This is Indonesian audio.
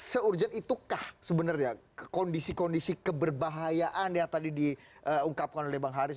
se urgen itukah sebenarnya kondisi kondisi keberbahayaan yang tadi diungkapkan oleh bang haris